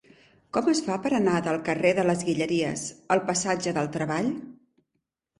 Com es fa per anar del carrer de les Guilleries al passatge del Treball?